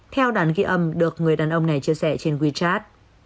theo đàn ghi âm được người đàn ông này chia sẻ trên wechat